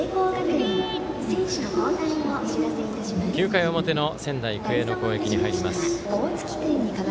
９回の表の仙台育英の攻撃に入ります。